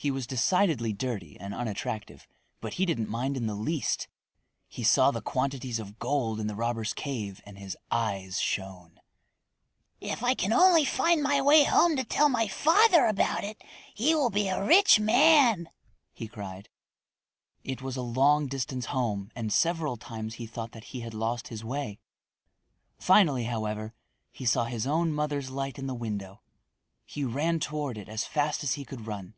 He was decidedly dirty and unattractive, but he didn't mind in the least. He saw the quantities of gold in the robbers' cave and his eyes shone. [Illustration: He saw the quantities of gold] "If I can only find my way home to tell my father about it, he will be a rich man!" he cried. It was a long distance home and several times he thought that he had lost his way. Finally, however, he saw his own mother's light in the window. He ran toward it as fast as he could run.